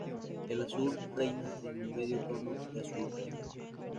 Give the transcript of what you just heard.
El azul reina es un medio tono de azul real.